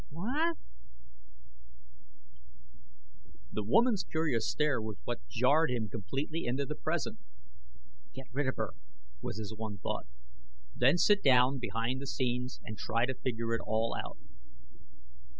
What The woman's curious stare was what jarred him completely into the present. Get rid of her! was his one thought. Then sit down behind the scenes and try to figure it all out.